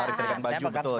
tarikan baju betul